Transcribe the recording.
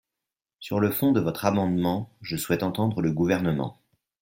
Sur le fond de votre amendement, je souhaite entendre le Gouvernement.